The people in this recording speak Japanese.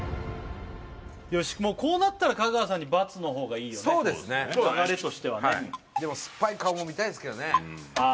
よしもうこうなったらそうですね流れとしてはねでも酸っぱい顔も見たいですけどねああ